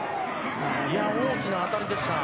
大きな当たりでした。